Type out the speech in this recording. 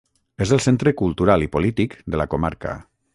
És el centre cultural i polític de la comarca.